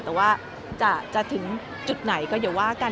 แต่ว่าจะถึงจุดไหนก็อย่าว่ากัน